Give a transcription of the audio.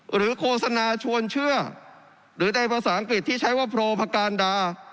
โฆษณาชวนเชื่อหรือในภาษาอังกฤษที่ใช้ว่าโพรพการดา